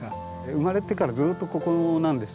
生まれてからずっとここなんですね。